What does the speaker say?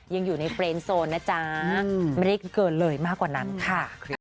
ยังอยู่ในเฟรนโซนนะจ๊ะไม่ได้เกินเลยมากกว่านั้นค่ะ